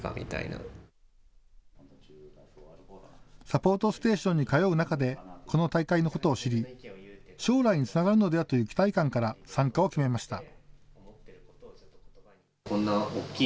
サポートステーションに通う中でこの大会のことを知り将来につながるのではという期待感から参加を決めました。